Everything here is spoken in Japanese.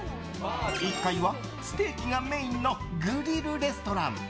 １階はステーキがメインのグリルレストラン。